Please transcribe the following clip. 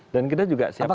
dan kita juga siapkan